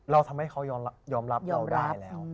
ทำให้เขายอมรับเราได้แล้ว